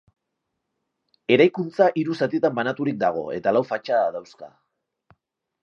Eraikuntza hiru zatitan banaturik dago eta lau fatxada dauzka.